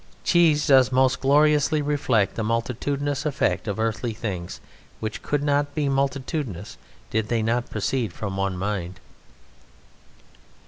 Cheese does most gloriously reflect the multitudinous effect of earthly things, which could not be multitudinous did they not proceed from one mind.